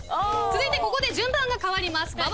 続いてここで順番が変わります。